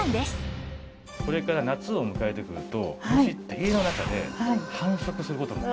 これから夏を迎えてくると虫って家の中で繁殖する事も。